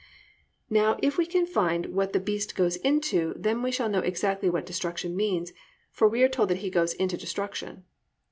Now if we can find what the beast goes into, then we shall know exactly what "destruction" means, for we are told that he goeth "into destruction."